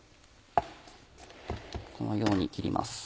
このように切ります。